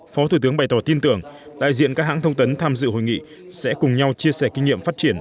phó thủ tướng bày tỏ tin tưởng đại diện các hãng thông tấn tham dự hội nghị sẽ cùng nhau chia sẻ kinh nghiệm phát triển